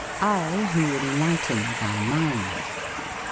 " I who enlighten thy mind."